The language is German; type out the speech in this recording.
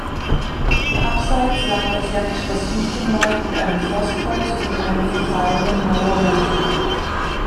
Abseits lag das Jagdschloss Lichtenwald mit einem Forsthaus und einem verfallenen Meierhof.